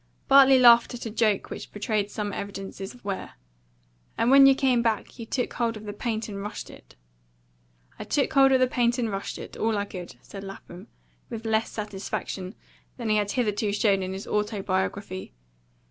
Bartley laughed at a joke which betrayed some evidences of wear. "And when you came back, you took hold of the paint and rushed it." "I took hold of the paint and rushed it all I could," said Lapham, with less satisfaction than he had hitherto shown in his autobiography.